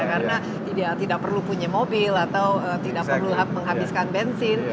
karena tidak perlu punya mobil atau tidak perlu menghabiskan bensin